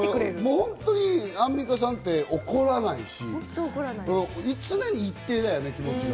アンミカさんって怒らないし、常に一定だよね、気持ちが。